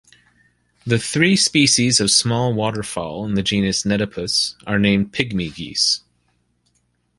The three species of small waterfowl in the genus "Nettapus" are named "pygmy geese".